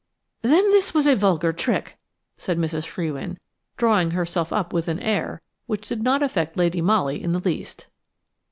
"Then this was a vulgar trick," said Mrs. Frewin, drawing herself up with an air which did not affect Lady Molly in the least.